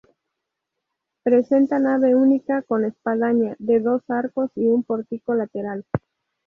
Presenta nave única, con espadaña de dos arcos y un pórtico lateral.